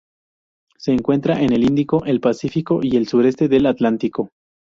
Se encuentra en el Índico, el Pacífico y el sureste del Atlántico.